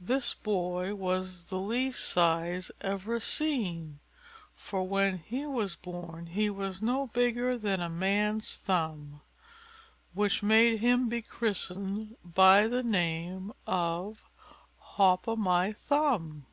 This boy was the least size ever seen; for when he was born he was no bigger than a man's thumb, which made him be christened by the name of Hop o' my thumb.